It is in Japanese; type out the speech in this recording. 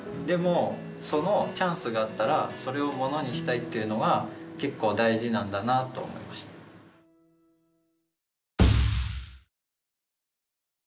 でもそのチャンスがあったらそれをものにしたいっていうのは結構大事なんだなと思いました。